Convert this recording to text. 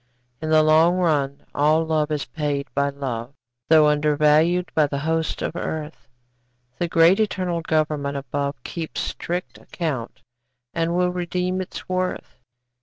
In the long run all love is paid by love, Though undervalued by the hosts of earth; The great eternal Government above Keeps strict account and will redeem its worth.